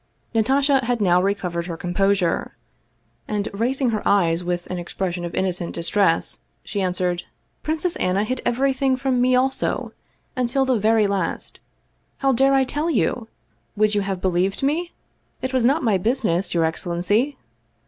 Natasha had now recovered her composure, and rais 181 Russian Mystery Stories ing her eyes with an expression of innocent distress, she answered :" Princess Anna hid everything from me also, until the Ivery last. How dare I tell you? Would you have believed me? It was not my business, your excellency!"